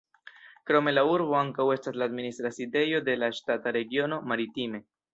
Krome la urbo ankaŭ estas la administra sidejo de la ŝtata regiono "Maritime".